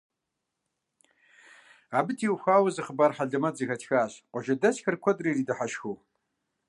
Абы теухуауэ зы хъыбар хьэлэмэт зэхэтхащ, къуажэдэсхэр куэдрэ иридыхьэшхыу.